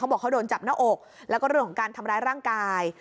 บอกเขาโดนจับหน้าอกแล้วก็เรื่องของการทำร้ายร่างกาย